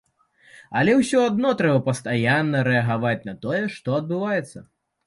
Але ўсё адно трэба пастаянна рэагаваць на тое, што адбываецца.